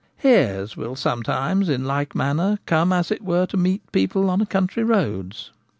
Hares will sometimes, in like manner, come as it were to meet people on country roads.